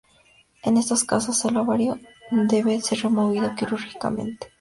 En estos casos el ovario debe ser removido quirúrgicamente.